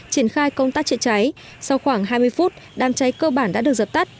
triển khai công tác chữa cháy sau khoảng hai mươi phút đám cháy cơ bản đã được dập tắt